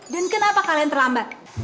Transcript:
dan kenapa kalian terlambat